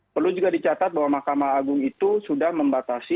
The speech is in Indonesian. perlu juga dicatat bahwa mahkamah agung itu sudah membatasi